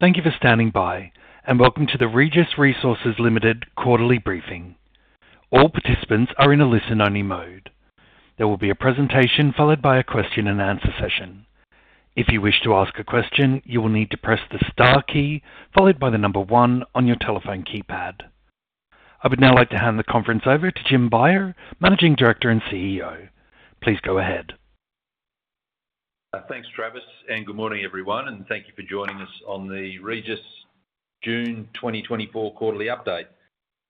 Thank you for standing by, and welcome to the Regis Resources Limited quarterly briefing. All participants are in a listen-only mode. There will be a presentation, followed by a question and answer session. If you wish to ask a question, you will need to press the star key followed by the number one on your telephone keypad. I would now like to hand the conference over to Jim Beyer, Managing Director and CEO. Please go ahead. Thanks, Travis, and good morning, everyone, and thank you for joining us on the Regis June 2024 quarterly update.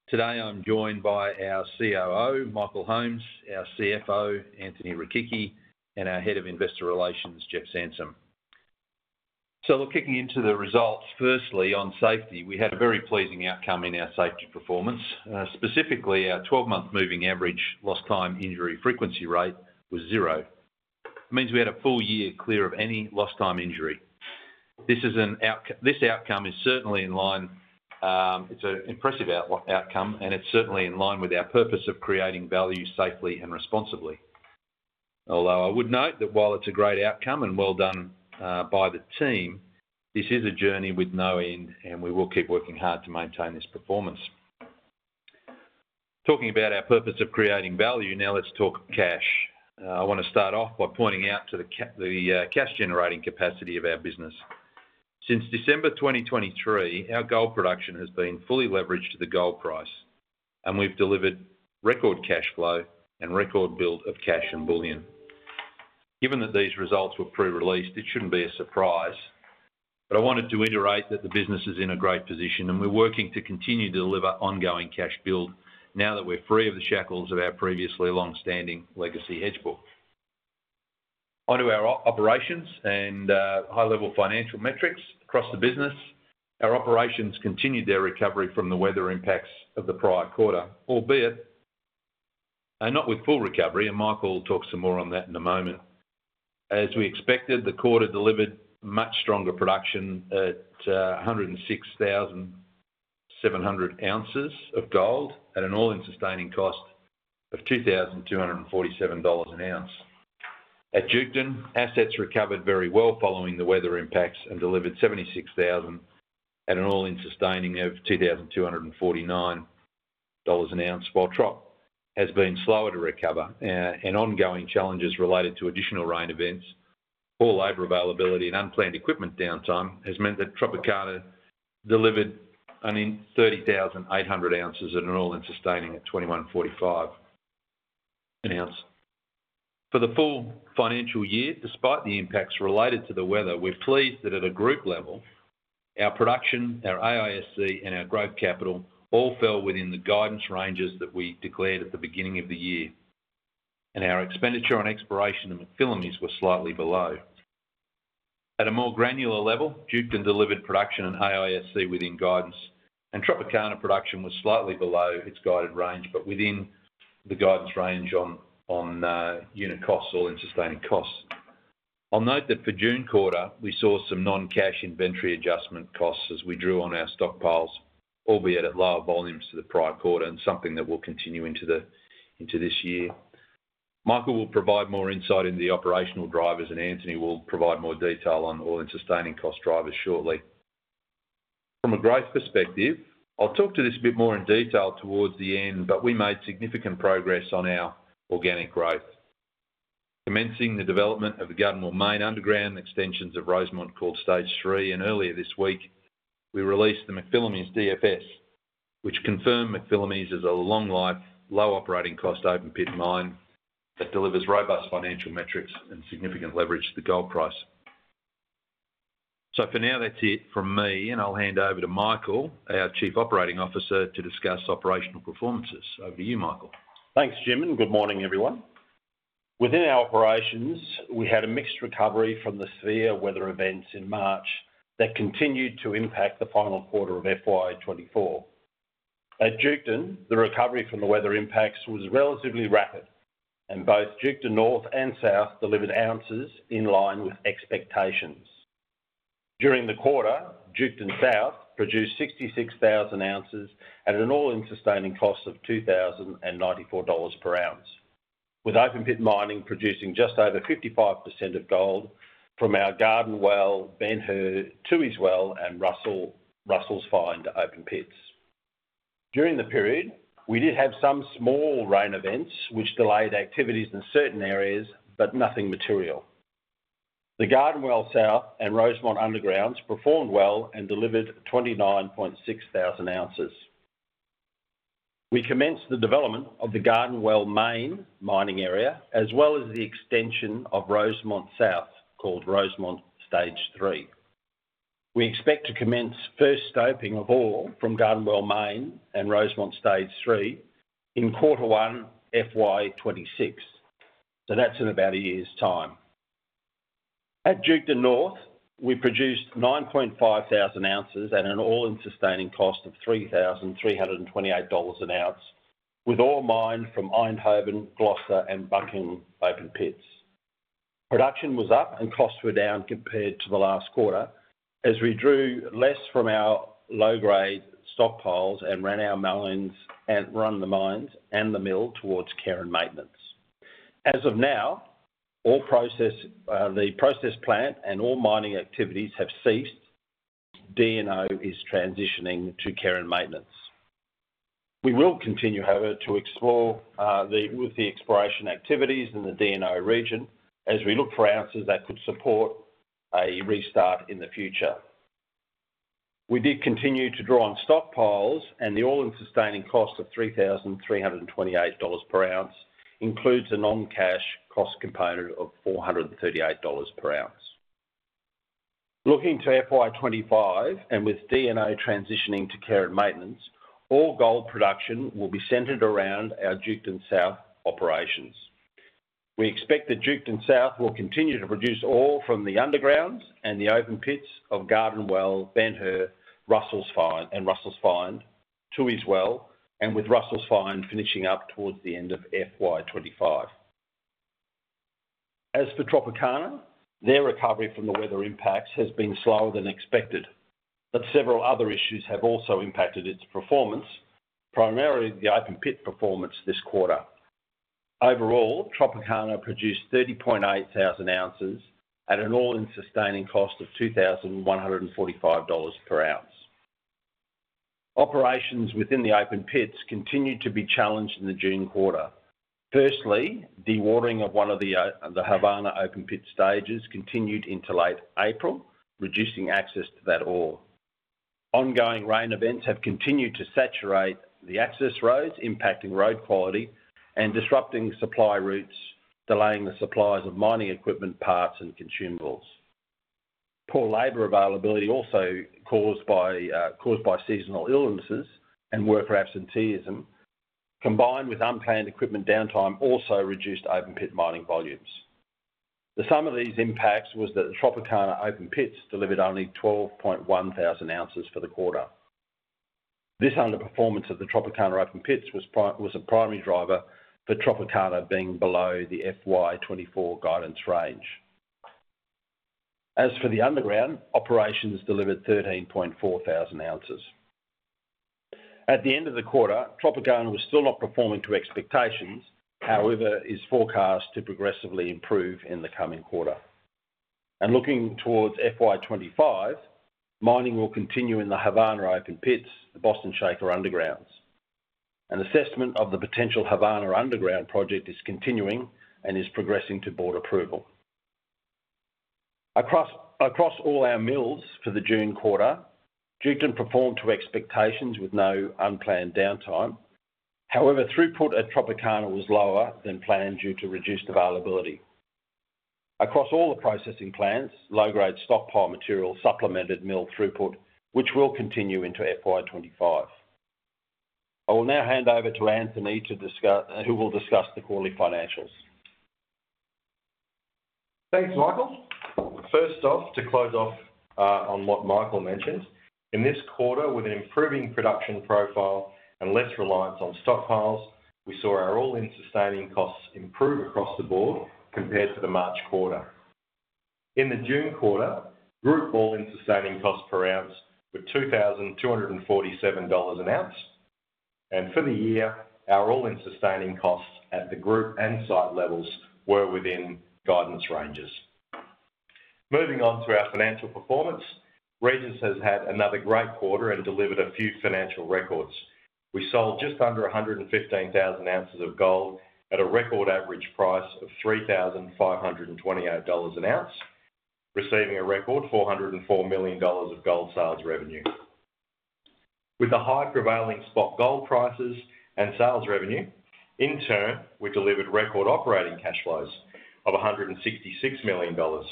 Today, I'm joined by our COO, Michael Holmes, our CFO, Anthony Rechichi, and our Head of Investor Relations, Jeff Sansom. Looking into the results, firstly, on safety, we had a very pleasing outcome in our safety performance. Specifically, our 12-month moving average lost time injury frequency rate was 0. It means we had a full year clear of any lost time injury. This outcome is certainly in line. It's an impressive outcome, and it's certainly in line with our purpose of creating value safely and responsibly. Although I would note that while it's a great outcome, and well done by the team, this is a journey with no end, and we will keep working hard to maintain this performance. Talking about our purpose of creating value, now let's talk cash. I want to start off by pointing out to the cash-generating capacity of our business. Since December 2023, our gold production has been fully leveraged to the gold price, and we've delivered record cash flow and record build of cash and bullion. Given that these results were pre-released, it shouldn't be a surprise, but I wanted to iterate that the business is in a great position, and we're working to continue to deliver ongoing cash build now that we're free of the shackles of our previously long-standing legacy hedge book. Onto our operations and high-level financial metrics across the business. Our operations continued their recovery from the weather impacts of the prior quarter, albeit not with full recovery, and Michael will talk some more on that in a moment. As we expected, the quarter delivered much stronger production at 106,700 ounces of gold at an all-in sustaining cost of $2,247 an ounce. At Duketon, assets recovered very well following the weather impacts and delivered 76,000 at an all-in sustaining of $2,249 an ounce, while Trop has been slower to recover. And ongoing challenges related to additional rain events or labor availability and unplanned equipment downtime has meant that Tropicana delivered only 30,800 ounces at an all-in sustaining at $2,145 an ounce. For the full financial year, despite the impacts related to the weather, we're pleased that at a group level, our production, our AISC, and our growth capital all fell within the guidance ranges that we declared at the beginning of the year. Our expenditure on exploration in McPhillamys were slightly below. At a more granular level, Duketon delivered production and AISC within guidance, and Tropicana production was slightly below its guided range, but within the guidance range on, on, unit costs, all-in sustaining costs. I'll note that for June quarter, we saw some non-cash inventory adjustment costs as we drew on our stockpiles, albeit at lower volumes to the prior quarter, and something that will continue into the, into this year. Michael will provide more insight into the operational drivers, and Anthony will provide more detail on all-in sustaining cost drivers shortly. From a growth perspective, I'll talk to this a bit more in detail towards the end, but we made significant progress on our organic growth. Commencing the development of the Garden Well Main underground extensions of Rosemont called Stage 3, and earlier this week, we released the McPhillamys DFS, which confirmed McPhillamys is a long-life, low-operating cost open-pit mine that delivers robust financial metrics and significant leverage to the gold price. So for now, that's it from me, and I'll hand over to Michael, our Chief Operating Officer, to discuss operational performances. Over to you, Michael. Thanks, Jim, and good morning, everyone. Within our operations, we had a mixed recovery from the severe weather events in March that continued to impact the final quarter of FY 2024. At Duketon, the recovery from the weather impacts was relatively rapid, and both Duketon North and South delivered ounces in line with expectations. During the quarter, Duketon South produced 66,000 ounces at an all-in sustaining cost of $2,094 per ounce, with open-pit mining producing just over 55% of gold from our Garden Well, Ben Hur, Toohey's Well, and Russell's Find open pits. During the period, we did have some small rain events, which delayed activities in certain areas, but nothing material. The Garden Well South and Rosemont Undergrounds performed well and delivered 29,600 ounces. We commenced the development of the Garden Well Main mining area, as well as the extension of Rosemont South, called Rosemont Stage 3. We expect to commence first stoping of ore from Garden Well Main and Rosemont Stage 3 in quarter one, FY 2026. So that's in about a year's time. At Duketon North, we produced 9,500 ounces at an all-in sustaining cost of $3,328 an ounce, with all mined from Eindhoven, Gloster, and Buckingham open pits. Production was up, and costs were down compared to the last quarter, as we drew less from our low-grade stockpiles and ran our mines and the mill towards care and maintenance. As of now, all processing, the process plant and all mining activities have ceased. DNO is transitioning to care and maintenance. We will continue, however, to explore with the exploration activities in the DNO region as we look for answers that could support a restart in the future. We did continue to draw on stockpiles, and the all-in sustaining cost of $3,328 per ounce includes a non-cash cost component of $438 per ounce. Looking to FY 2025, and with DNO transitioning to care and maintenance, all gold production will be centered around our Duketon South operations. We expect that Duketon South will continue to produce ore from the underground and the open pits of Garden Well, Ben Hur, Russell's Find, and Toohey's Well, and with Russell's Find finishing up towards the end of FY 2025. As for Tropicana, their recovery from the weather impacts has been slower than expected, but several other issues have also impacted its performance, primarily the open pit performance this quarter. Overall, Tropicana produced 30,800 ounces at an All-In Sustaining Cost of $2,145 per ounce. Operations within the open pits continued to be challenged in the June quarter. Firstly, dewatering of one of the the Havana open pit stages continued into late April, reducing access to that ore. Ongoing rain events have continued to saturate the access roads, impacting road quality and disrupting supply routes, delaying the supplies of mining equipment, parts, and consumables. Poor labor availability also caused by seasonal illnesses and worker absenteeism, combined with unplanned equipment downtime, also reduced open pit mining volumes. The sum of these impacts was that the Tropicana open pits delivered only 12.1 thousand ounces for the quarter. This underperformance of the Tropicana open pits was a primary driver for Tropicana being below the FY 2024 guidance range. As for the underground, operations delivered 13.4 thousand ounces. At the end of the quarter, Tropicana was still not performing to expectations, however, is forecast to progressively improve in the coming quarter. Looking towards FY 2025, mining will continue in the Havana open pits, the Boston Shaker undergrounds. An assessment of the potential Havana Underground Project is continuing and is progressing to board approval. Across all our mills for the June quarter, Duketon performed to expectations with no unplanned downtime. However, throughput at Tropicana was lower than planned due to reduced availability. Across all the processing plants, low-grade stockpile material supplemented mill throughput, which will continue into FY 25. I will now hand over to Anthony to discuss, who will discuss the quarterly financials. Thanks, Michael. First off, to close off on what Michael mentioned. In this quarter, with an improving production profile and less reliance on stockpiles, we saw our all-in sustaining costs improve across the board compared to the March quarter. In the June quarter, group all-in sustaining costs per ounce were 2,247 dollars an ounce, and for the year, our all-in sustaining costs at the group and site levels were within guidance ranges. Moving on to our financial performance, Regis has had another great quarter and delivered a few financial records. We sold just under 115,000 ounces of gold at a record average price of 3,528 dollars an ounce, receiving a record 404 million dollars of gold sales revenue. With the high prevailing spot gold prices and sales revenue, in turn, we delivered record operating cash flows of 166 million dollars,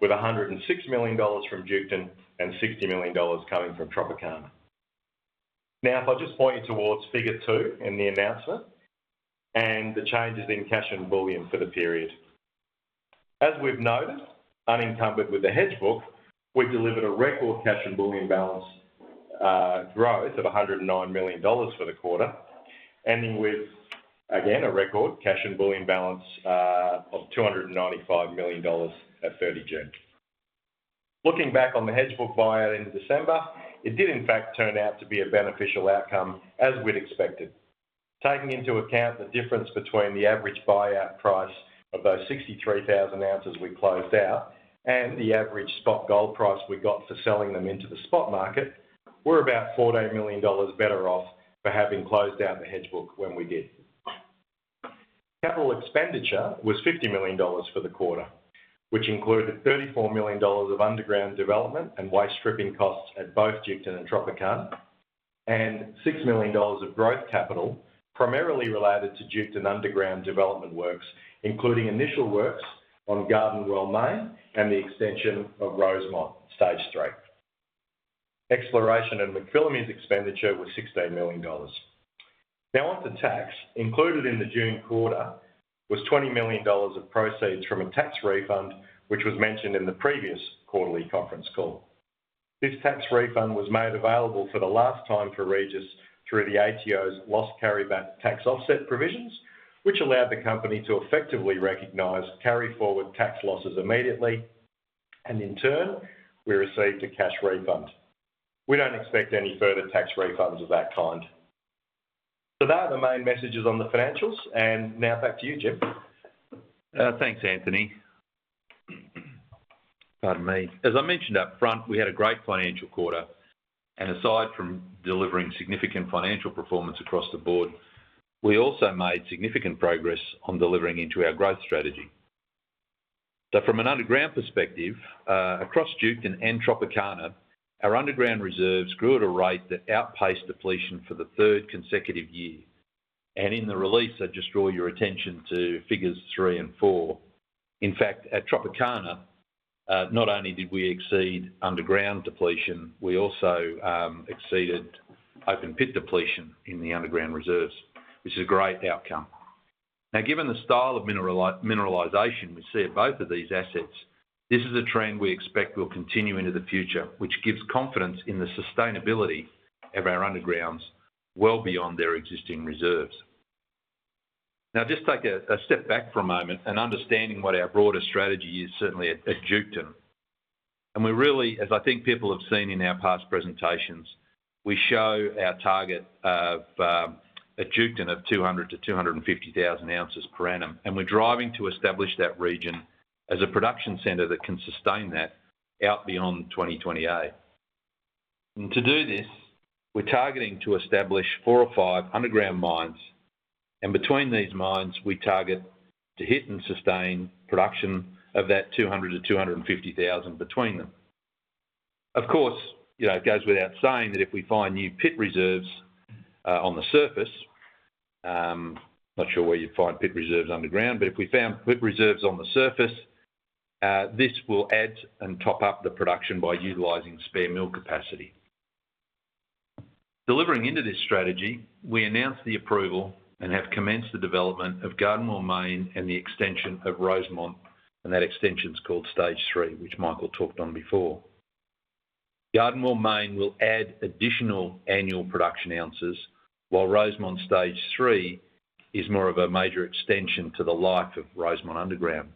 with 106 million dollars from Duketon and 60 million dollars coming from Tropicana. Now, if I just point you towards Figure 2 in the announcement and the changes in cash and bullion for the period. As we've noted, in conjunction with the hedge book, we delivered a record cash and bullion balance, growth of 109 million dollars for the quarter, ending with, again, a record cash and bullion balance, of 295 million dollars at thirtieth June. Looking back on the hedge book buyout in December, it did in fact turn out to be a beneficial outcome, as we'd expected. Taking into account the difference between the average buyout price of those 63,000 ounces we closed out, and the average spot gold price we got for selling them into the spot market, we're about 48 million dollars better off for having closed out the hedge book when we did. Capital expenditure was 50 million dollars for the quarter, which included 34 million dollars of underground development and waste stripping costs at both Duketon and Tropicana, and 6 million dollars of growth capital, primarily related to Duketon underground development works, including initial works on Garden Well Main and the extension of Rosemont Stage 3. Exploration and McPhillamys expenditure was 16 million dollars. Now, on to tax. Included in the June quarter was 20 million dollars of proceeds from a tax refund, which was mentioned in the previous quarterly conference call. This tax refund was made available for the last time for Regis through the ATO's loss carryback tax offset provisions, which allowed the company to effectively recognize carry forward tax losses immediately, and in turn, we received a cash refund. We don't expect any further tax refunds of that kind. So they are the main messages on the financials, and now back to you, Jim. Thanks, Anthony. Pardon me. As I mentioned up front, we had a great financial quarter, and aside from delivering significant financial performance across the board, we also made significant progress on delivering into our growth strategy. So from an underground perspective, across Duketon and Tropicana, our underground reserves grew at a rate that outpaced depletion for the third consecutive year. And in the release, I just draw your attention to figures 3 and 4. In fact, at Tropicana, not only did we exceed underground depletion, we also exceeded open pit depletion in the underground reserves, which is a great outcome. Now, given the style of mineralization we see at both of these assets, this is a trend we expect will continue into the future, which gives confidence in the sustainability of our undergrounds, well beyond their existing reserves. Now, just take a step back for a moment and understanding what our broader strategy is, certainly at Duketon. We really, as I think people have seen in our past presentations, show our target of at Duketon of 200-250 thousand ounces per annum, and we're driving to establish that region as a production center that can sustain that out beyond 2028. To do this, we're targeting to establish 4 or 5 underground mines, and between these mines, we target to hit and sustain production of that 200-250 thousand between them. Of course, you know, it goes without saying that if we find new pit reserves on the surface. Not sure where you'd find pit reserves underground, but if we found pit reserves on the surface, this will add and top up the production by utilizing spare mill capacity. Delivering into this strategy, we announced the approval and have commenced the development of Garden Well Main and the extension of Rosemont, and that extension is called Stage Three, which Michael talked on before. Garden Well Main will add additional annual production ounces, while Rosemont Stage Three is more of a major extension to the life of Rosemont underground.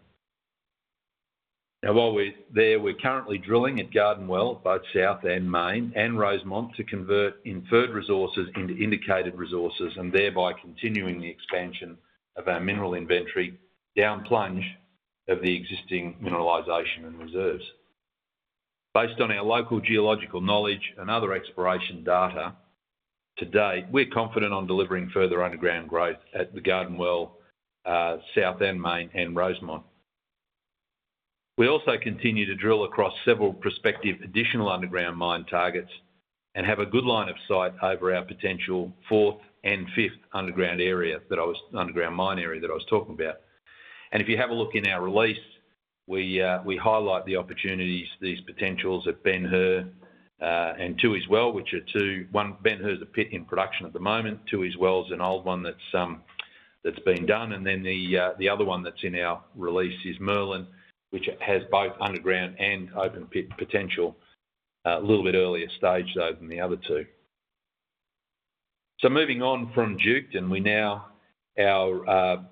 Now, while we're there, we're currently drilling at Garden Well, both South and Main, and Rosemont, to convert inferred resources into indicated resources, and thereby continuing the expansion of our mineral inventory down plunge of the existing mineralization and reserves. Based on our local geological knowledge and other exploration data, to date, we're confident on delivering further underground growth at the Garden Well South and Main, and Rosemont. We also continue to drill across several prospective additional underground mine targets, and have a good line of sight over our potential fourth and fifth underground mine area that I was talking about. If you have a look in our release, we highlight the opportunities, these potentials at Ben Hur and Toohey's Well, which are two. One, Ben Hur is a pit in production at the moment. Toohey's Well is an old one that's that's been done, and then the other one that's in our release is Merlin, which has both underground and open pit potential, a little bit earlier stage, though, than the other two. So moving on from Duketon, we now our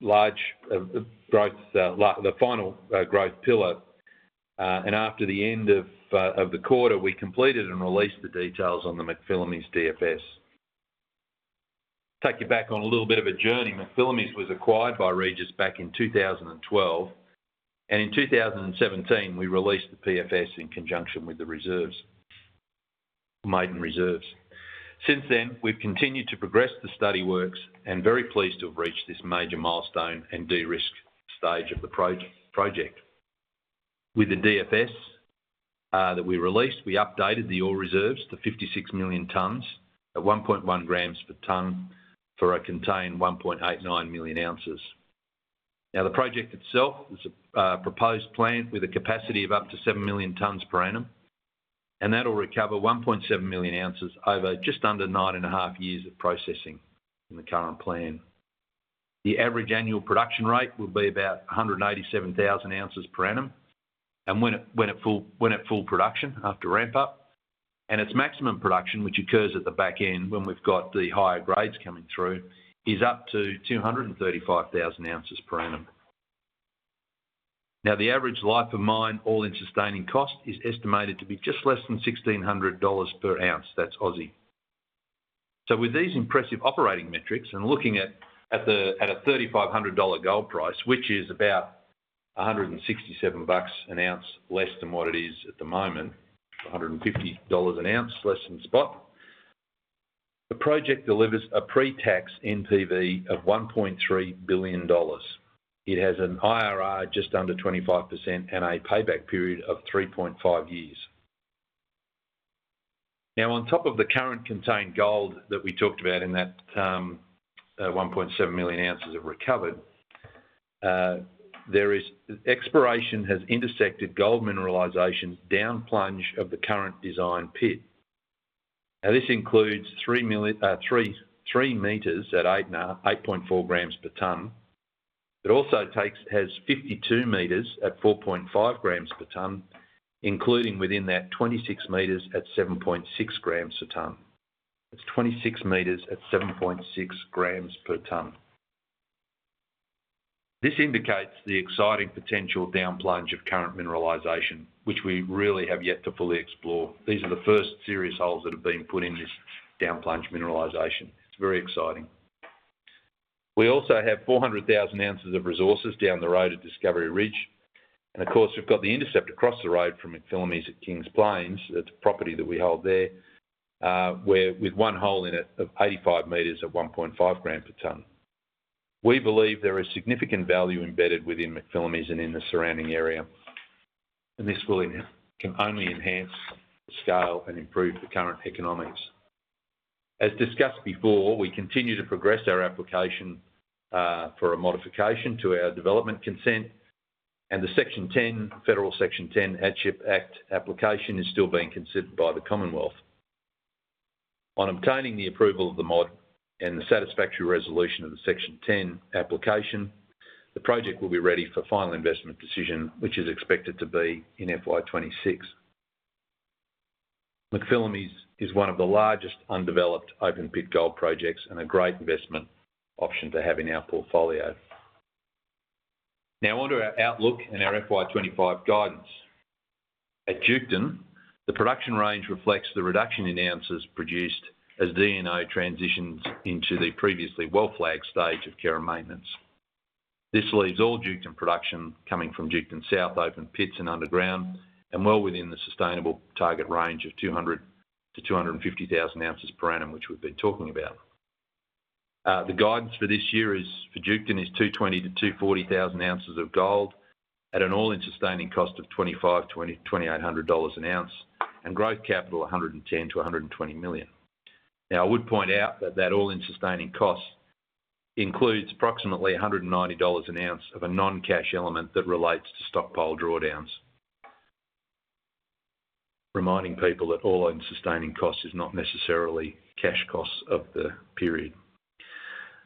large growth the final growth pillar, and after the end of of the quarter, we completed and released the details on the McPhillamys DFS. Take you back on a little bit of a journey. McPhillamys was acquired by Regis back in 2012, and in 2017, we released the PFS in conjunction with the reserves, maiden reserves. Since then, we've continued to progress the study works, and very pleased to have reached this major milestone and de-risk stage of the project. With the DFS that we released, we updated the ore reserves to 56 million tons at 1.1 grams per ton, for a contained 1.89 million ounces. Now, the project itself is a proposed plant with a capacity of up to 7 million tons per annum, and that'll recover 1.7 million ounces over just under 9.5 years of processing in the current plan. The average annual production rate will be about 187,000 ounces per annum, and when at full production, after ramp up, and its maximum production, which occurs at the back end, when we've got the higher grades coming through, is up to 235,000 ounces per annum. Now, the average life of mine, all-in sustaining cost, is estimated to be just less than 1,600 dollars per ounce. That's Aussie. So with these impressive operating metrics, and looking at a $3,500 gold price, which is about $167 an ounce less than what it is at the moment, $150 an ounce less than spot, the project delivers a pre-tax NPV of $1.3 billion. It has an IRR just under 25% and a payback period of 3.5 years. Now, on top of the current contained gold that we talked about in that, 1.7 million ounces of recovered, there is. Exploration has intersected gold mineralization down plunge of the current design pit. Now, this includes 3 meters at 8.4 grams per ton. It also has 52 meters at 4.5 grams per ton, including within that, 26 meters at 7.6 grams per ton. It's 26 meters at 7.6 grams per ton. This indicates the exciting potential down plunge of current mineralization, which we really have yet to fully explore. These are the first serious holes that have been put in this down plunge mineralization. It's very exciting. We also have 400,000 ounces of resources down the road at Discovery Ridge, and of course, we've got the intercept across the road from McPhillamys at Kings Plains. That's a property that we hold there, where with one hole in it of 85 meters at 1.5 grams per ton. We believe there is significant value embedded within McPhillamys and in the surrounding area, and this will, can only enhance the scale and improve the current economics. As discussed before, we continue to progress our application for a modification to our development consent, and the Section 10, Federal Section 10 ATSIHP Act application is still being considered by the Commonwealth. On obtaining the approval of the mod and the satisfactory resolution of the Section 10 application, the project will be ready for final investment decision, which is expected to be in FY 26. McPhillamys is one of the largest undeveloped open-pit gold projects and a great investment option to have in our portfolio. Now, on to our outlook and our FY 25 guidance. At Duketon, the production range reflects the reduction in ounces produced as DNO transitions into the previously well flag stage of care and maintenance. This leaves all Duketon production coming from Duketon South open pits and underground, and well within the sustainable target range of 200-250,000 ounces per annum, which we've been talking about. The guidance for this year is, for Duketon, is 220-240,000 ounces of gold at an all-in sustaining cost of 2,520-2,800 dollars an ounce, and growth capital, 110 million-120 million. Now, I would point out that that all-in sustaining cost includes approximately 190 dollars an ounce of a non-cash element that relates to stockpile drawdowns. Reminding people that all-in sustaining costs is not necessarily cash costs of the period.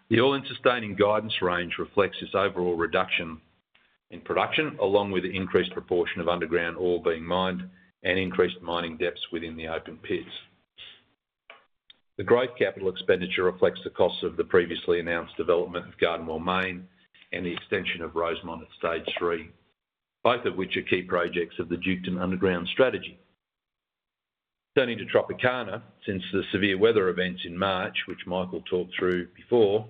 The all-in sustaining guidance range reflects this overall reduction in production, along with the increased proportion of underground ore being mined and increased mining depths within the open pits. The growth capital expenditure reflects the costs of the previously announced development of Garden Well Main and the extension of Rosemont at Stage 3, both of which are key projects of the Duketon Underground strategy. Turning to Tropicana, since the severe weather events in March, which Michael talked through before,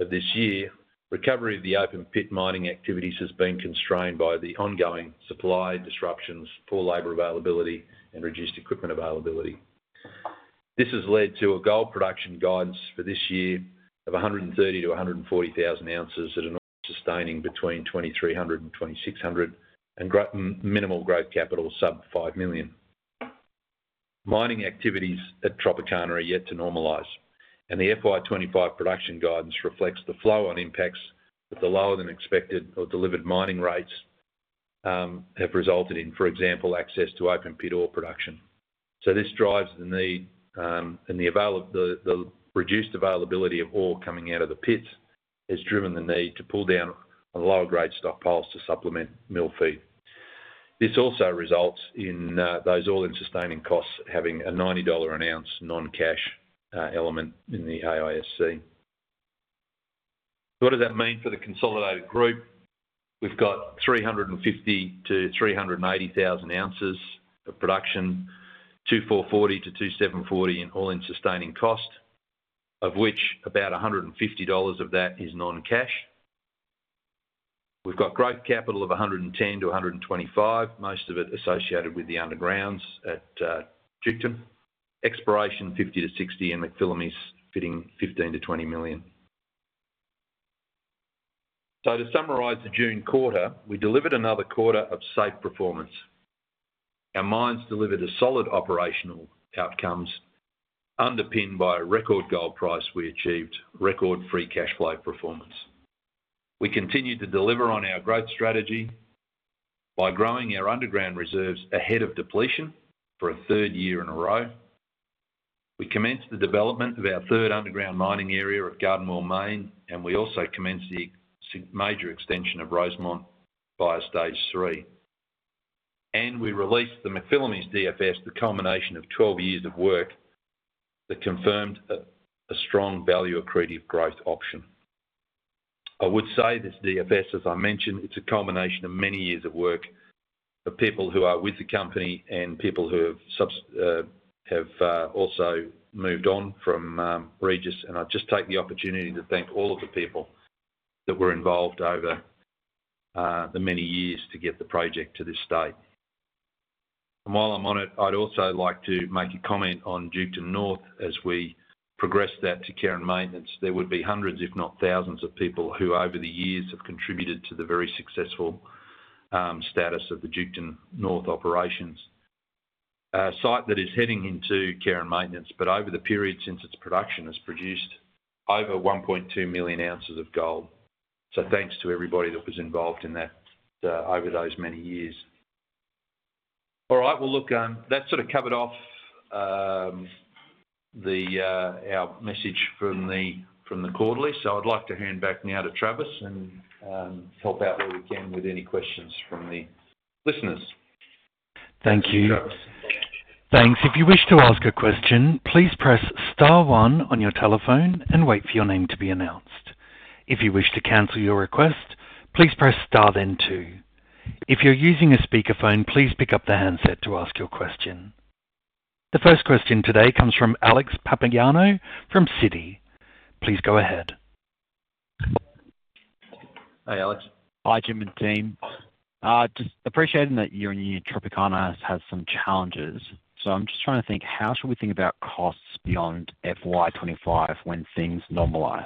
of this year, recovery of the open pit mining activities has been constrained by the ongoing supply disruptions, poor labor availability, and reduced equipment availability. This has led to a gold production guidance for this year of 130,000 ounces-140,000 ounces at an all-in sustaining between 2,300 and 2,600, and minimal growth capital, sub 5 million. Mining activities at Tropicana are yet to normalize, and the FY 2025 production guidance reflects the flow-on impacts that the lower than expected or delivered mining rates have resulted in, for example, access to open-pit ore production. So this drives the need, and the reduced availability of ore coming out of the pits has driven the need to pull down on lower-grade stockpiles to supplement mill feed. This also results in those all-in sustaining costs, having a $90 an ounce non-cash element in the AISC. So what does that mean for the consolidated group? We've got 350,000 ounces-380,000 ounces of production, $2,440-$2,740 in all-in sustaining cost, of which about $150 of that is non-cash. We've got growth capital of 110 million-125 million, most of it associated with the undergrounds at Duketon. Exploration, 50 million-60 million, and McPhillamys fitting 15 million-20 million. So to summarize the June quarter, we delivered another quarter of safe performance. Our mines delivered a solid operational outcomes. Underpinned by a record gold price, we achieved record free cash flow performance. We continued to deliver on our growth strategy by growing our underground reserves ahead of depletion for a third year in a row. We commenced the development of our third underground mining area of Garden Well Main, and we also commenced the major extension of Rosemont via Stage 3. And we released the McPhillamys DFS, the culmination of 12 years of work that confirmed a strong value accretive growth option. I would say this DFS, as I mentioned, it's a culmination of many years of work for people who are with the company and people who have also moved on from Regis, and I'll just take the opportunity to thank all of the people that were involved over the many years to get the project to this state. And while I'm on it, I'd also like to make a comment on Duketon North as we progress that to care and maintenance. There would be hundreds, if not thousands, of people who over the years have contributed to the very successful status of the Duketon North operations. A site that is heading into care and maintenance, but over the period since its production, has produced over 1.2 million ounces of gold. So thanks to everybody that was involved in that, over those many years. All right, well, look, that sort of covered off our message from the quarterly. So I'd like to hand back now to Travis, and help out where we can with any questions from the listeners. Thank you. Thanks. If you wish to ask a question, please press star one on your telephone and wait for your name to be announced. If you wish to cancel your request, please press star, then two. If you're using a speakerphone, please pick up the handset to ask your question. The first question today comes from Alex Papaioanou from Citi. Please go ahead. Hi, Alex. Hi, Jim and team. Just appreciating that year in Tropicana has had some challenges, so I'm just trying to think: how should we think about costs beyond FY 25 when things normalize?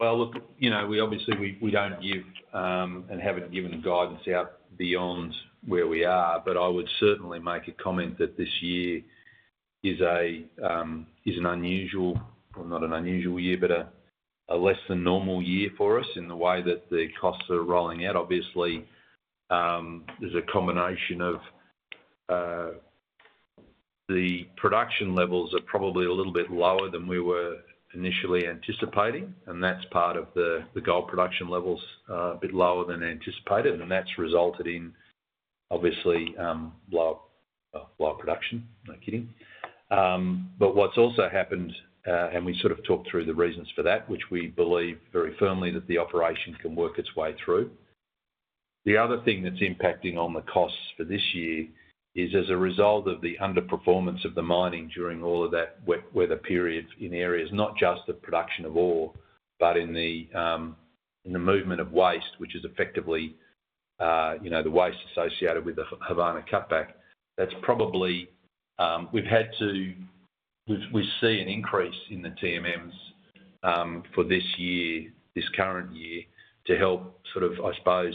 Well, look, you know, we obviously don't give, and haven't given a guidance out beyond where we are, but I would certainly make a comment that this year is an unusual. Well, not an unusual year, but a less than normal year for us in the way that the costs are rolling out. Obviously, there's a combination of the production levels are probably a little bit lower than we were initially anticipating, and that's part of the gold production levels are a bit lower than anticipated, and that's resulted in obviously lower production. No kidding. But what's also happened, and we sort of talked through the reasons for that, which we believe very firmly, that the operation can work its way through. The other thing that's impacting on the costs for this year is as a result of the underperformance of the mining during all of that wet weather periods in areas, not just the production of ore, but in the, in the movement of waste, which is effectively, you know, the waste associated with the Havana cutback. That's probably. We've had to. We see an increase in the TMMs, for this year, this current year, to help sort of, I suppose,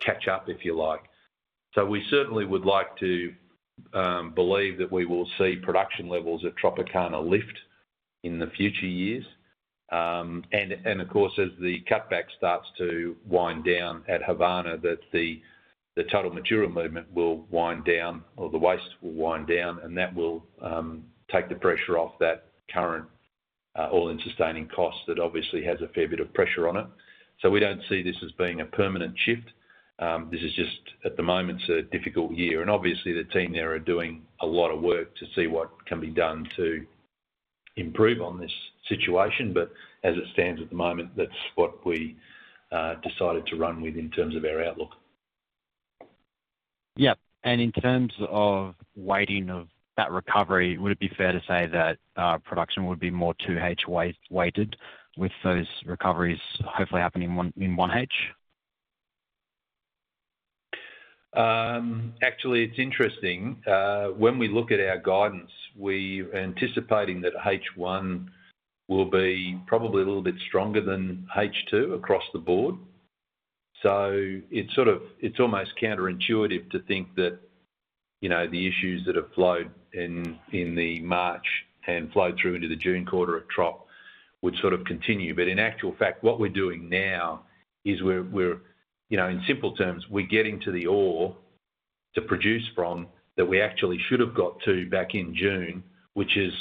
catch up, if you like. So we certainly would like to believe that we will see production levels at Tropicana lift in the future years. Of course, as the cutback starts to wind down at Havana, that the total material movement will wind down or the waste will wind down, and that will take the pressure off that current all-in sustaining costs. That obviously has a fair bit of pressure on it. So we don't see this as being a permanent shift. This is just, at the moment, it's a difficult year, and obviously the team there are doing a lot of work to see what can be done to improve on this situation. But as it stands at the moment, that's what we decided to run with in terms of our outlook. Yep. And in terms of weighting of that recovery, would it be fair to say that production would be more 2H weighted with those recoveries hopefully happening in 1H? Actually, it's interesting. When we look at our guidance, we're anticipating that H1 will be probably a little bit stronger than H2 across the board. So it's sort of, it's almost counterintuitive to think that, you know, the issues that have flowed in, in the March and flowed through into the June quarter at Trop would sort of continue. But in actual fact, what we're doing now is we're, you know, in simple terms, we're getting to the ore to produce from that we actually should have got to back in June, which is,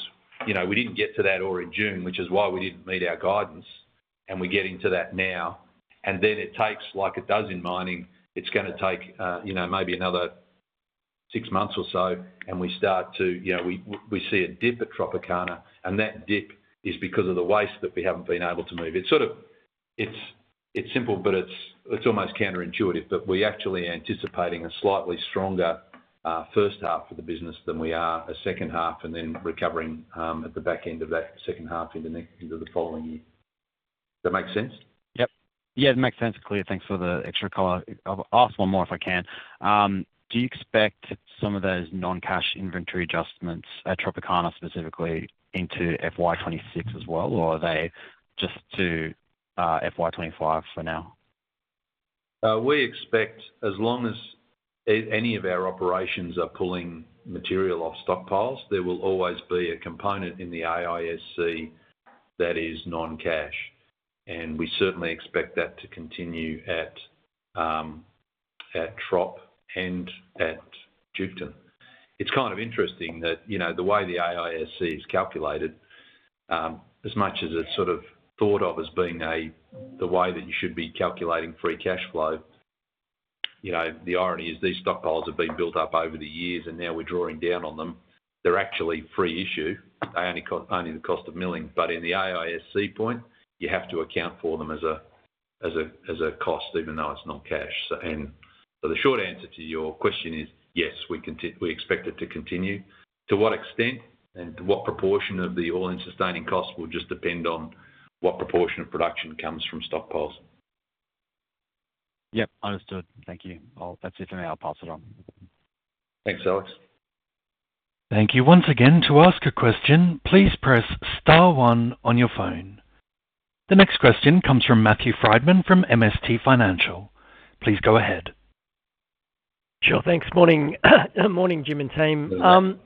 you know, we didn't get to that ore in June, which is why we didn't meet our guidance, and we're getting to that now. And then it takes, like it does in mining, it's gonna take, you know, maybe another six months or so, and we start to, you know, we see a dip at Tropicana, and that dip is because of the waste that we haven't been able to move. It's sort of. It's simple, but it's almost counterintuitive, but we're actually anticipating a slightly stronger first half for the business than we are a second half and then recovering at the back end of that second half into next, into the following year. Does that make sense? Yep. Yeah, it makes sense. Clear. Thanks for the extra color. I'll, I'll ask one more, if I can. Do you expect some of those non-cash inventory adjustments at Tropicana, specifically into FY 26 as well, or are they just to FY 25 for now? We expect as long as any of our operations are pulling material off stockpiles, there will always be a component in the AISC that is non-cash, and we certainly expect that to continue at Trop and at Duketon. It's kind of interesting that, you know, the way the AISC is calculated, as much as it's sort of thought of as being the way that you should be calculating free cash flow, you know, the irony is these stockpiles have been built up over the years, and now we're drawing down on them. They're actually free issue. They only cost, only the cost of milling, but in the AISC point, you have to account for them as a cost, even though it's non-cash. So, the short answer to your question is, yes, we expect it to continue. To what extent and to what proportion of the all-in sustaining costs will just depend on what proportion of production comes from stockpiles. Yep, understood. Thank you. Well, that's it for me. I'll pass it on. Thanks, Alex. Thank you once again. To ask a question, please press star one on your phone. The next question comes from Matthew Frydman from MST Financial. Please go ahead. Sure. Thanks. Morning, morning, Jim and team. Good day.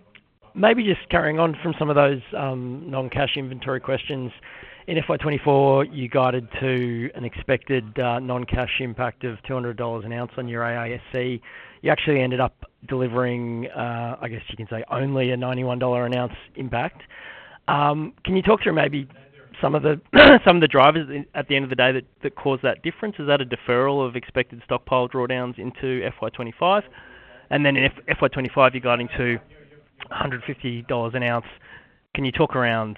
Maybe just carrying on from some of those, non-cash inventory questions. In FY 2024, you guided to an expected, non-cash impact of $200 an ounce on your AISC. You actually ended up delivering, I guess you can say, only a $91 an ounce impact. Can you talk through maybe some of the, some of the drivers at the end of the day that caused that difference? Is that a deferral of expected stockpile drawdowns into FY 2025? And then in FY 2025, you're guiding to a $150 an ounce. Can you talk around,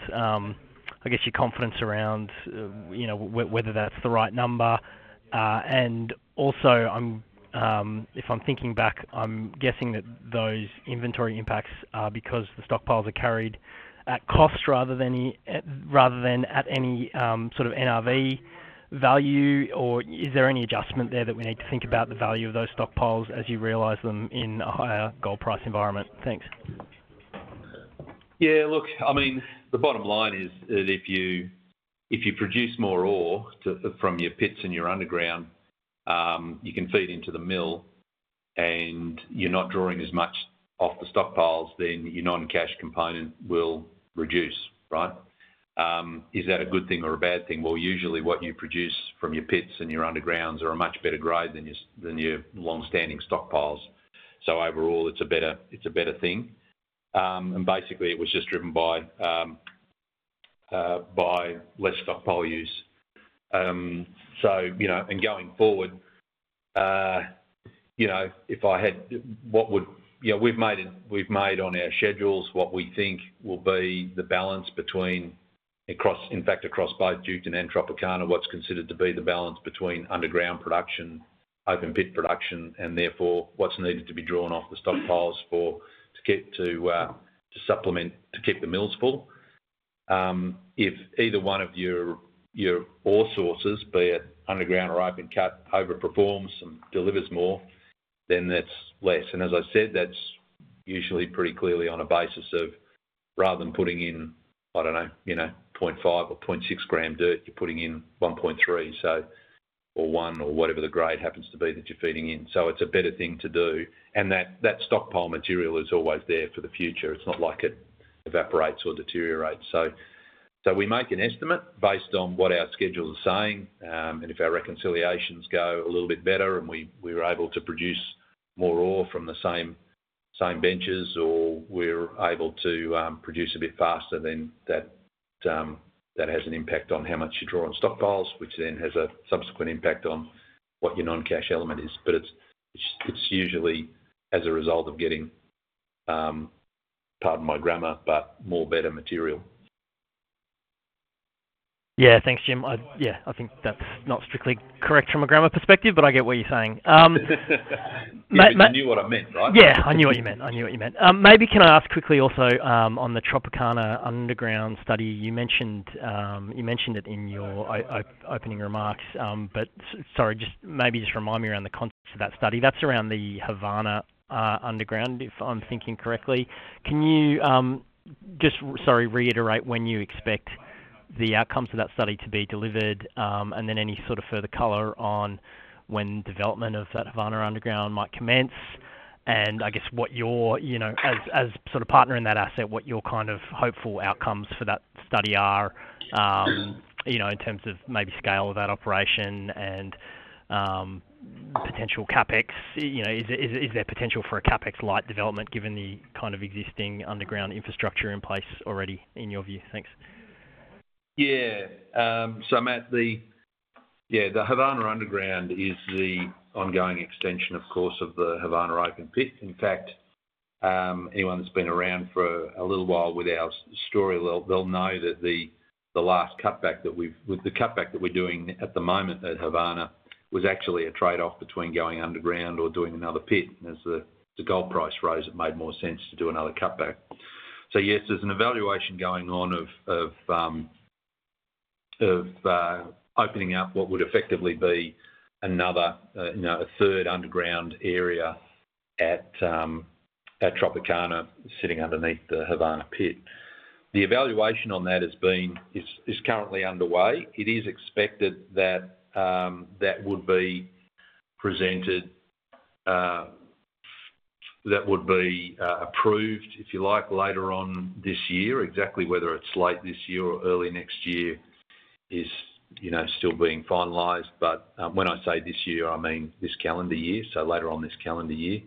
I guess, your confidence around, you know, whether that's the right number? And also, I'm if I'm thinking back, I'm guessing that those inventory impacts are because the stockpiles are carried at cost rather than at any sort of NRV value, or is there any adjustment there that we need to think about the value of those stockpiles as you realize them in a higher gold price environment? Thanks. Yeah, look, I mean, the bottom line is that if you, if you produce more ore to, from your pits and your underground, you can feed into the mill, and you're not drawing as much off the stockpiles, then your non-cash component will reduce, right? Is that a good thing or a bad thing? Well, usually what you produce from your pits and your undergrounds are a much better grade than your, than your long-standing stockpiles. So overall, it's a better, it's a better thing. And basically, it was just driven by, by less stockpile use. So, you know, and going forward, you know, if I had. You know, we've made on our schedules what we think will be the balance between across, in fact, across both Duketon and Tropicana, what's considered to be the balance between underground production, open pit production, and therefore, what's needed to be drawn off the stockpiles for, to get to, to supplement, to keep the mills full. If either one of your ore sources, be it underground or open cut, overperforms and delivers more, then that's less. And as I said, that's usually pretty clearly on a basis of, rather than putting in, I don't know, you know, 0.5 or 0.6 gram dirt, you're putting in 1.3, so, or 1, or whatever the grade happens to be that you're feeding in. So it's a better thing to do, and that stockpile material is always there for the future. It's not like it evaporates or deteriorates. So we make an estimate based on what our schedule is saying, and if our reconciliations go a little bit better and we're able to produce more ore from the same benches, or we're able to produce a bit faster, then that has an impact on how much you draw on stockpiles, which then has a subsequent impact on what your non-cash element is. But it's usually as a result of getting, pardon my grammar, but more better material. Yeah. Thanks, Jim. Yeah, I think that's not strictly correct from a grammar perspective, but I get what you're saying. But you knew what I meant, right? Yeah, I knew what you meant. I knew what you meant. Maybe can I ask quickly also, on the Tropicana underground study, you mentioned, you mentioned it in your opening remarks, but sorry, just maybe just remind me around the context of that study. That's around the Havana underground, if I'm thinking correctly. Can you just, sorry, reiterate when you expect the outcomes of that study to be delivered, and then any sort of further color on when development of that Havana underground might commence? And I guess what your, you know, as sort of partner in that asset, what your kind of hopeful outcomes for that study are, you know, in terms of maybe scale of that operation and potential CapEx. You know, is there, is there, potential for a CapEx-light development, given the kind of existing underground infrastructure in place already, in your view? Thanks. Yeah, so Matt, the Havana Underground is the ongoing extension, of course, of the Havana open pit. In fact, anyone that's been around for a little while with our story, they'll know that the last cutback that we've—with the cutback that we're doing at the moment at Havana, was actually a trade-off between going underground or doing another pit. And as the gold price rose, it made more sense to do another cutback. So yes, there's an evaluation going on of opening up what would effectively be another, you know, a third underground area at Tropicana, sitting underneath the Havana pit. The evaluation on that is currently underway. It is expected that that would be presented, that would be approved, if you like, later on this year. Exactly whether it's late this year or early next year is, you know, still being finalized. But, when I say this year, I mean this calendar year, so later on this calendar year.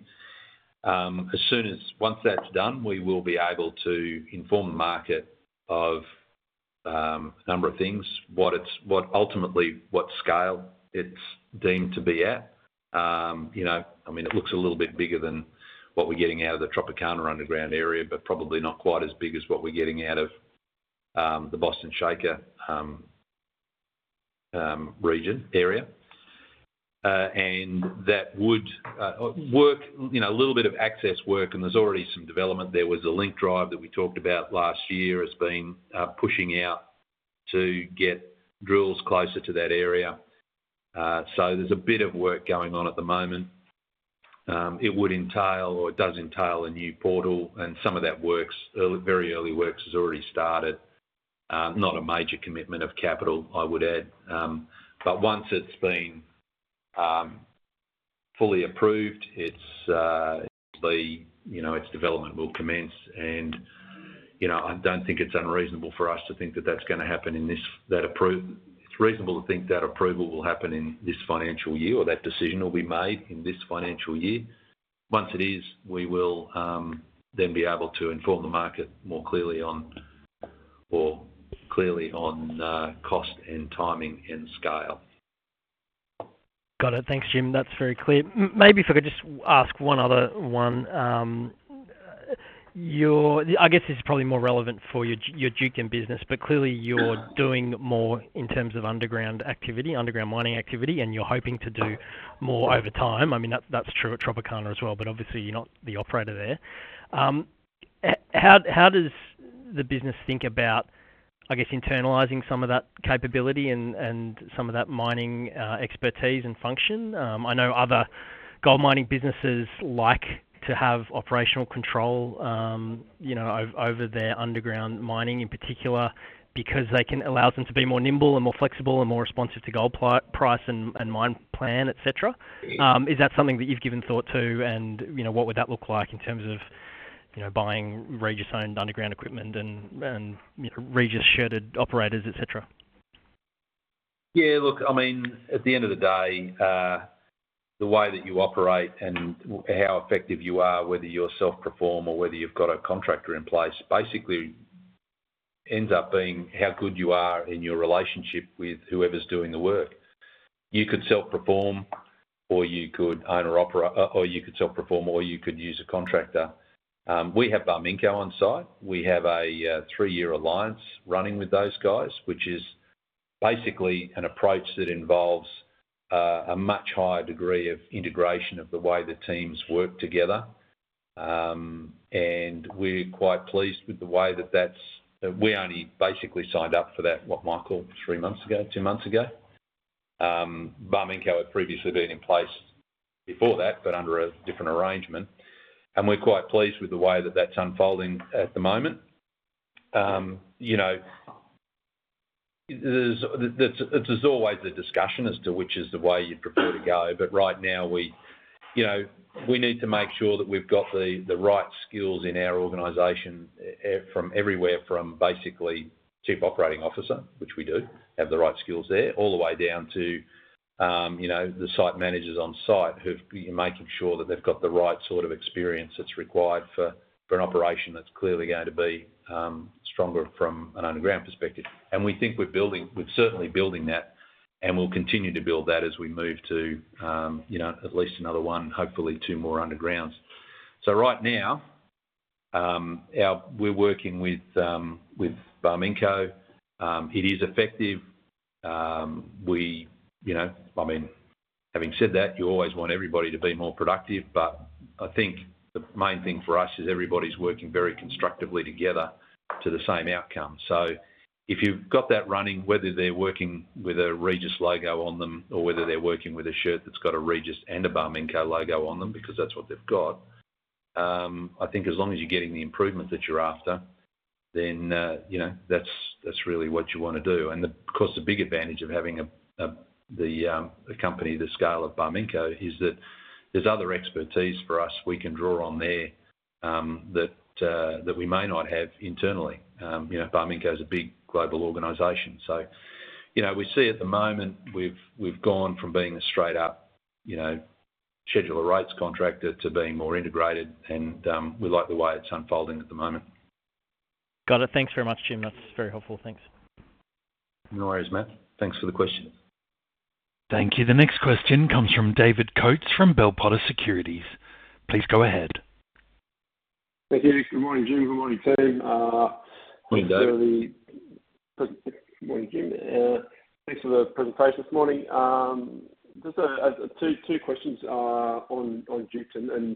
As soon as, once that's done, we will be able to inform the market of, a number of things. What it's-- What ultimately, what scale it's deemed to be at. You know, I mean, it looks a little bit bigger than what we're getting out of the Tropicana underground area, but probably not quite as big as what we're getting out of, the Boston Shaker, region, area. And that would work, you know, a little bit of access work, and there's already some development. There was a link drive that we talked about last year, has been pushing out to get drills closer to that area. So there's a bit of work going on at the moment. It would entail, or it does entail a new portal, and some of that works, very early works, has already started. Not a major commitment of capital, I would add. But once it's been fully approved, it's the, you know, its development will commence and, you know, I don't think it's unreasonable for us to think that that's gonna happen in this, It's reasonable to think that approval will happen in this financial year, or that decision will be made in this financial year. Once it is, we will then be able to inform the market more clearly on, or clearly on, cost and timing and scale. Got it. Thanks, Jim. That's very clear. Maybe if I could just ask one other one. Your—I guess this is probably more relevant for your Duketon business, but clearly you're doing more in terms of underground activity, underground mining activity, and you're hoping to do more over time. I mean, that's true at Tropicana as well, but obviously you're not the operator there. How does the business think about, I guess, internalizing some of that capability and some of that mining expertise and function? I know other gold mining businesses like to have operational control, you know, over their underground mining in particular, because they can allow them to be more nimble and more flexible and more responsive to gold price and mine plan, et cetera. Is that something that you've given thought to? you know, what would that look like in terms of, you know, buying Regis-owned underground equipment and, you know, Regis-shirted operators, et cetera? Yeah, look, I mean, at the end of the day, the way that you operate and how effective you are, whether you're self-perform or whether you've got a contractor in place, basically ends up being how good you are in your relationship with whoever's doing the work. You could self-perform, or you could self-perform, or you could use a contractor. We have Barminco on site. We have a 3-year alliance running with those guys, which is basically an approach that involves a much higher degree of integration of the way the teams work together. And we're quite pleased with the way that that's. We only basically signed up for that, what, Michael? 3 months ago, 2 months ago. Barminco had previously been in place before that, but under a different arrangement, and we're quite pleased with the way that that's unfolding at the moment. You know, there's always a discussion as to which is the way you'd prefer to go, but right now we, you know, we need to make sure that we've got the right skills in our organization from everywhere, from basically Chief Operating Officer, which we do, have the right skills there, all the way down to, you know, the site managers on site who've making sure that they've got the right sort of experience that's required for an operation that's clearly going to be stronger from an underground perspective. We think we're building, we're certainly building that, and we'll continue to build that as we move to, you know, at least another one, hopefully two more undergrounds. So right now, we're working with Barminco. It is effective. We, you know, I mean, having said that, you always want everybody to be more productive, but I think the main thing for us is everybody's working very constructively together to the same outcome. So if you've got that running, whether they're working with a Regis logo on them or whether they're working with a shirt that's got a Regis and a Barminco logo on them, because that's what they've got, I think as long as you're getting the improvement that you're after, then, you know, that's, that's really what you want to do. Of course, the big advantage of having a company the scale of Barminco is that there's other expertise for us we can draw on there, that we may not have internally. You know, Barminco is a big global organization. So, you know, we see at the moment, we've gone from being a straight up, you know, scheduler rates contractor to being more integrated, and we like the way it's unfolding at the moment. Got it. Thanks very much, Jim. That's very helpful. Thanks. No worries, Matt. Thanks for the question. Thank you. The next question comes from David Coates, from Bell Potter Securities. Please go ahead. Thank you. Good morning, Jim. Good morning, team. Good morning, Dave. Good morning, Jim. Thanks for the presentation this morning. Just 2 questions on Duketon, and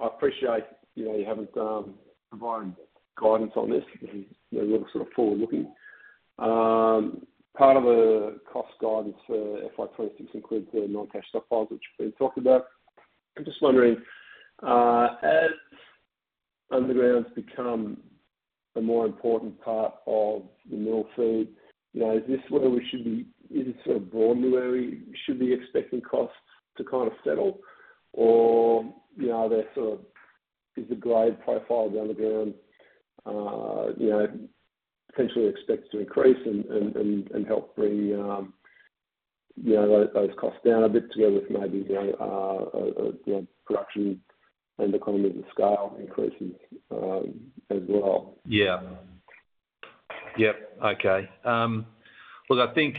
I appreciate, you know, you haven't provided guidance on this, and, you know, we're sort of forward-looking. Part of the cost guidance for FY 26 includes the non-cash stockpiles, which we've talked about. I'm just wondering, as underground's become a more important part of the mill feed, you know, is this where we should be- is it sort of broadly where we should be expecting costs to kind of settle? Or, you know, are there sort of, is the grade profile of the underground, you know, potentially expected to increase and help bring, you know, those costs down a bit together with maybe the production and economies of scale increases, as well? Yeah. Yep, okay. Look, I think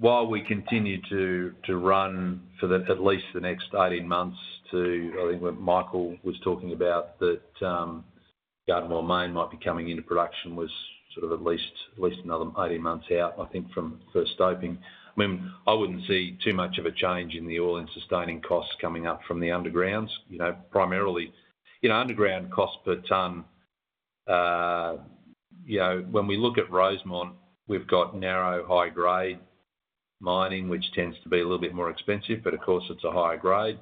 while we continue to run for at least the next 18 months to, I think, what Michael was talking about, that Garden Well Main might be coming into production was sort of at least another 18 months out, I think, from first stoping. I mean, I wouldn't see too much of a change in the all-in sustaining costs coming up from the undergrounds. You know, primarily, you know, underground cost per ton, you know, when we look at Rosemont, we've got narrow, high-grade mining, which tends to be a little bit more expensive, but of course, it's a higher grade.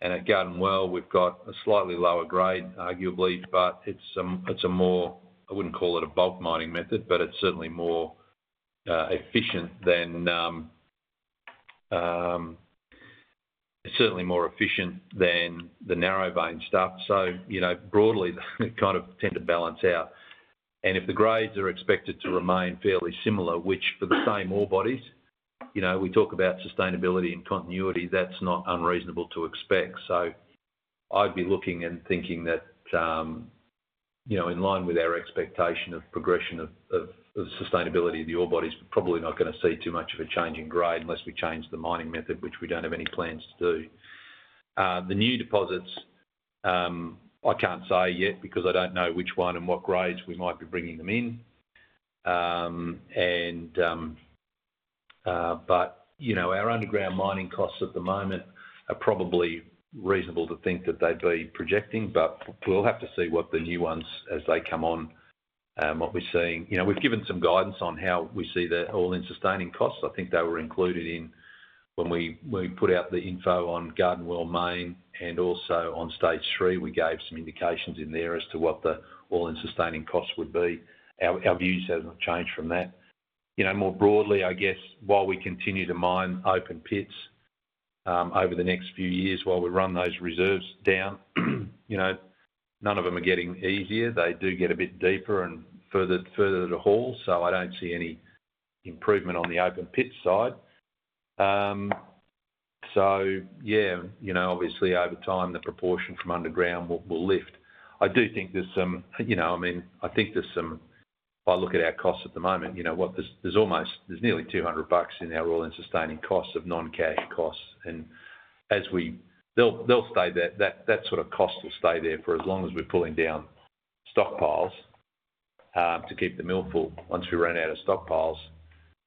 And at Garden Well, we've got a slightly lower grade, arguably, but it's a more, I wouldn't call it a bulk mining method, but it's certainly more efficient than. It's certainly more efficient than the narrow vein stuff. So, you know, broadly, it kind of tend to balance out. And if the grades are expected to remain fairly similar, which for the same ore bodies, you know, we talk about sustainability and continuity, that's not unreasonable to expect. So I'd be looking and thinking that, you know, in line with our expectation of progression of sustainability of the ore bodies, we're probably not gonna see too much of a change in grade unless we change the mining method, which we don't have any plans to do. The new deposits, I can't say yet because I don't know which one and what grades we might be bringing them in. But you know, our underground mining costs at the moment are probably reasonable to think that they'd be projecting, but we'll have to see what the new ones as they come on, what we're seeing. You know, we've given some guidance on how we see the all-in sustaining costs. I think they were included in when we put out the info on Garden Well Main and also on stage three, we gave some indications in there as to what the all-in sustaining costs would be. Our views haven't changed from that. You know, more broadly, I guess, while we continue to mine open pits, over the next few years, while we run those reserves down, you know, none of them are getting easier. They do get a bit deeper and further, further to haul, so I don't see any improvement on the open pit side. So yeah, you know, obviously, over time, the proportion from underground will, will lift. I do think there's some-- you know, I mean, I think there's some. If I look at our costs at the moment, you know what? There's, there's almost- there's nearly 200 bucks in our all-in sustaining costs of non-cash costs. And as we. They'll, they'll stay there. That, that sort of cost will stay there for as long as we're pulling down stockpiles, to keep the mill full. Once we run out of stockpiles,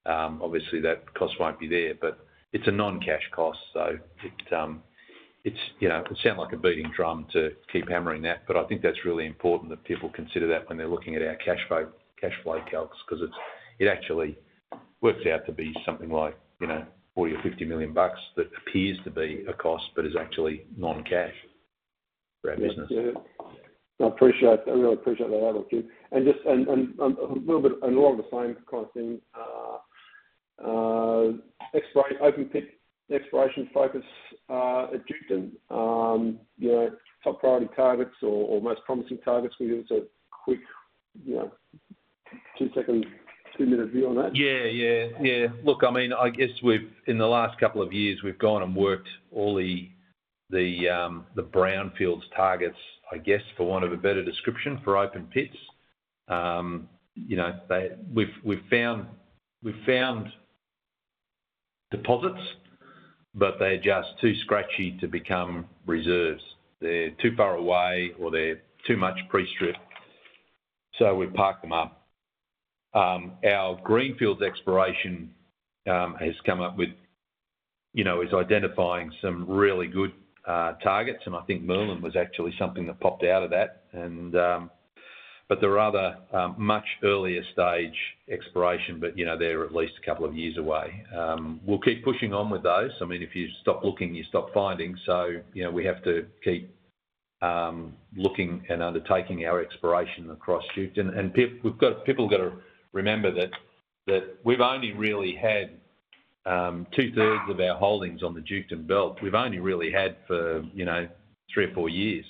obviously, that cost won't be there, but it's a non-cash cost, so it's, you know, it sound like a beating drum to keep hammering that, but I think that's really important that people consider that when they're looking at our cash flow, cash flow calcs, 'cause it's actually works out to be something like, you know, 40 million or 50 million bucks that appears to be a cost, but is actually non-cash for our business. Yeah. I appreciate, I really appreciate that, Jim. And just a little bit, along the same kind of thing, open pit exploration focus at Duketon. You know, top priority targets or most promising targets. Can you give us a quick, you know, two-second, two-minute view on that? Yeah, yeah, yeah. Look, I mean, I guess we've, in the last couple of years, we've gone and worked all the brownfields targets, I guess, for want of a better description, for open pits. You know, they. We've found deposits, but they're just too scratchy to become reserves. They're too far away or they're too much pre-strip, so we park them up. Our greenfields exploration has come up with, you know, is identifying some really good targets, and I think Merlin was actually something that popped out of that. And, but there are other much earlier stage exploration, but, you know, they're at least a couple of years away. We'll keep pushing on with those. I mean, if you stop looking, you stop finding. So, you know, we have to keep looking and undertaking our exploration across Duketon. And people got to remember that, that we've only really had two-thirds of our holdings on the Duketon Belt. We've only really had for, you know, three or four years.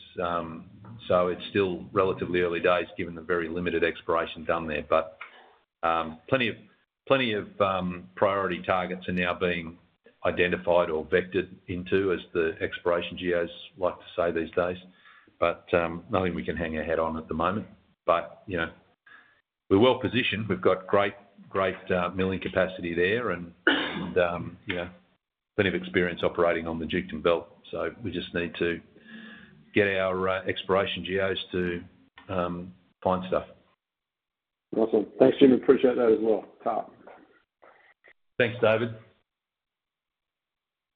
So it's still relatively early days, given the very limited exploration done there. But plenty of, plenty of priority targets are now being identified or vectored into, as the exploration geos like to say these days. But nothing we can hang our head on at the moment. But, you know, we're well positioned. We've got great, great milling capacity there and yeah, plenty of experience operating on the Duketon Belt, so we just need to get our exploration geos to find stuff. Awesome. Thanks, Jim. Appreciate that as well. Top. Thanks, David.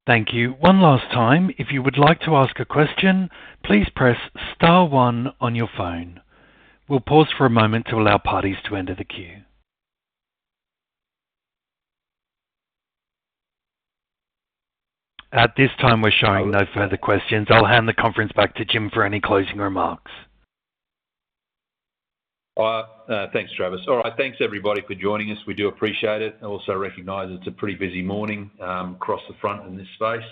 Thank you. One last time, if you would like to ask a question, please press star one on your phone. We'll pause for a moment to allow parties to enter the queue. At this time, we're showing no further questions. I'll hand the conference back to Jim for any closing remarks. Thanks, Travis. All right. Thanks, everybody, for joining us. We do appreciate it. I also recognize it's a pretty busy morning across the front in this space.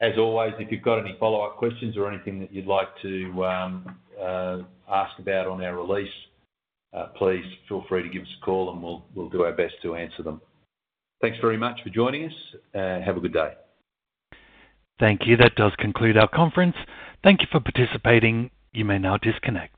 As always, if you've got any follow-up questions or anything that you'd like to ask about on our release, please feel free to give us a call, and we'll do our best to answer them. Thanks very much for joining us, and have a good day. Thank you. That does conclude our conference. Thank you for participating. You may now disconnect.